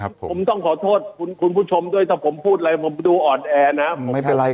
ผมต้องขอโทษคุณผู้ชมถ้าพูดอะไรผมมาดูออดแอนะครับ